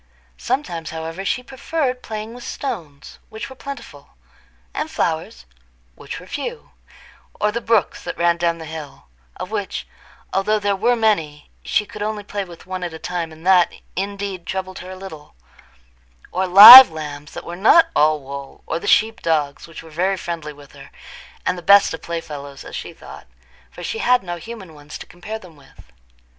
Sometimes, however, she preferred playing with stones, which were plentiful, and flowers, which were few, or the brooks that ran down the hill, of which, although they were many, she could only play with one at a time, and that, indeed, troubled her a little—or live lambs that were not all wool, or the sheep dogs, which were very friendly with her, and the best of playfellows, as she thought, for she had no human ones to compare them with.